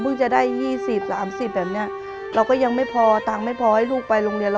จะได้๒๐๓๐แบบนี้เราก็ยังไม่พอตังค์ไม่พอให้ลูกไปโรงเรียน